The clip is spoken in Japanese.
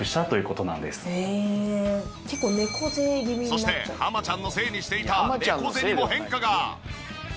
そして浜ちゃんのせいにしていた猫背にも変化が！